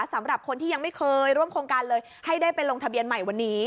สำหรับคนที่ยังไม่เคยร่วมโครงการเลยให้ได้ไปลงทะเบียนใหม่วันนี้